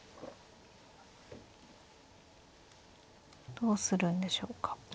どうするんでしょうか。